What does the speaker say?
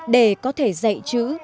để có thể dạy chữ